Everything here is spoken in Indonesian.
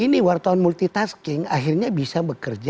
ini wartawan multitasking akhirnya bisa bekerja